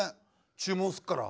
注文すっから。